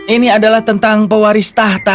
ini adalah tentang pewaris tahta